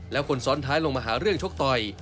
แล้วคนซ้อนท้ายลงมาหาเรื่องชกต่อย